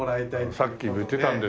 さっきも言ってたんですよ。